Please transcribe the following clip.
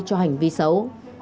cho hành vi xấu